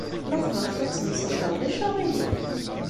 Ma tebɣiḍ ad tenseḍ da, ulac aɣilif!